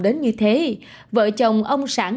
đến như thế vợ chồng ông sản